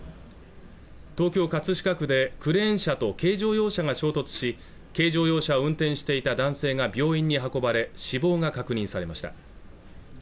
東京葛飾区でクレーン車と軽乗用車が衝突し軽乗用車を運転していた男性が病院に運ばれ死亡が確認されました